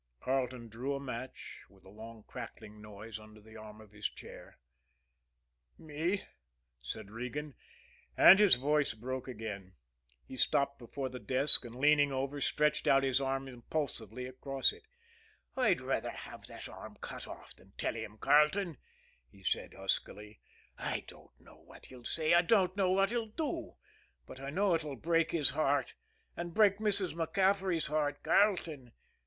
Carleton drew a match, with a long crackling noise, under the arm of his chair. "Me?" said Regan, and his voice broke again. He stopped before the desk, and, leaning, over, stretched out his arm impulsively across it. "I'd rather have that arm cut off than tell him, Carleton," he said huskily. "I don't know what he'll say, I don't know what he'll do, but I know it will break his heart, and break Mrs. MacCaffery's heart Carleton."